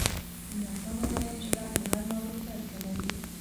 د نرسانو نرم چلند د هر ناروغ درد کموي.